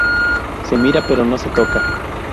Se mira pero no se toca